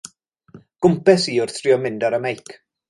Gwmpes i wrth drio mynd ar 'y meic.